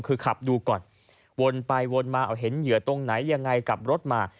คือขับดูก่อนวนไปวนมาเอาเห็นเหยื่อตรงไหนยังไงกลับรถมา